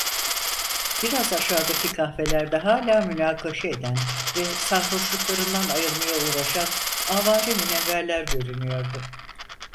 Biraz aşağıdaki kahvelerde hâlâ münakaşa eden ve sarhoşluklarından ayılmaya uğraşan avare münevverler görünüyordu.